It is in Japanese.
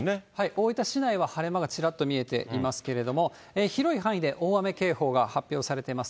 大分市内は晴れ間がちらっと見えていますけれども、広い範囲で大雨警報が発表されています。